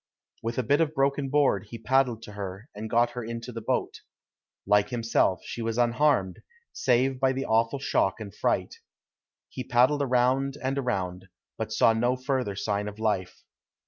With a bit of broken board he paddled to her and got her into the boat. Like himself, she was unharmed, save by the awful shock and fright. He paddled around and around, but saw no further sign of life.